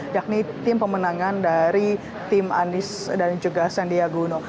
yakni tim pemenangan dari tim anies dan juga sandiagono